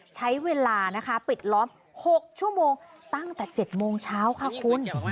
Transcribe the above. ใช้เวลานะคะปิดล้อม๖ชั่วโมงตั้งแต่๗โมงเช้าค่ะคุณ